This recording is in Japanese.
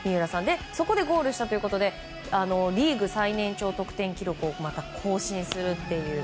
そこでゴールしたということでリーグ最年長得点記録をまた更新するという。